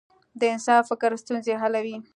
د انسان فکر ستونزې حلوي.